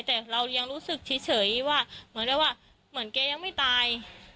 แต่เรายังรู้สึกเฉยว่าเหมือนได้ว่าเหมือนแกยังไม่ตาย